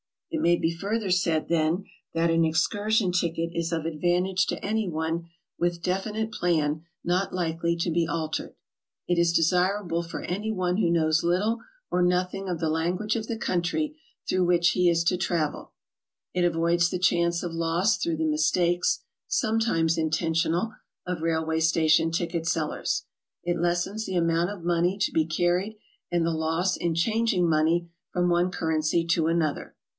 It may be further said, then, that an excursion ticket is of advantage to any one with definite plan not likely to be altered. It is desirable for any one who knows little or nothing of the language of the country through which he is to travel. It avoids the chance of loss through the mis takes (sometimes intentional) of railway station ticket sellers. It lessens the amount of money to be carried, and the loss in changing money from one currency to another.